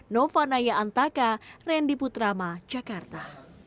nova naya antaka randy putrama jakarta